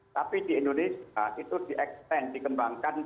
tapi di indonesia itu di extend dikembangkan